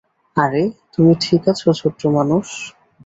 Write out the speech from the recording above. আরে, তুমি ঠিক আছো, ছোট্ট মানুষ।